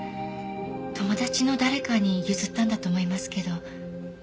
友達の誰かに譲ったんだと思いますけど。